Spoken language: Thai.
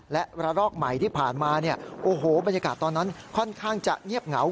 และระลอกใหม่ที่ผ่านมาเนี่ยโอ้โหบรรยากาศตอนนั้นค่อนข้างจะเงียบเหงา